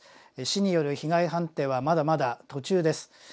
市による被害判定はまだまだ途中です。